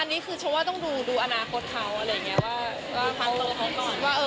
อันนี้คือชมว่าต้องดูอนาคตเขาอะไรอย่างนี้